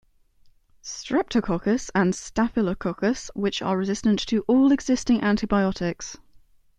Streptococcus and Staphylococcus which are resistant to all existing antibiotics.